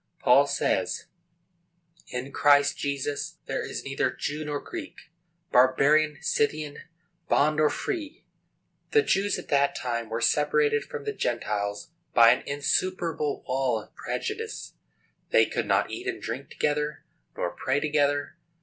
Paul says, "In Christ Jesus there is neither Jew nor Greek, barbarian, Scythian, bond nor free." The Jews at that time were separated from the Gentiles by an insuperable wall of prejudice. They could not eat and drink together, nor pray together.